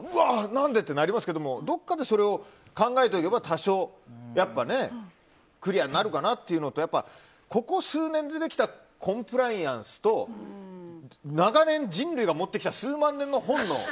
何でとなりますが自分の中で考えておけば多少、やっぱりねクリアになるかなっていうのとここ数年でできたコンプライアンスと長年人類が持ってきた数万年の本能。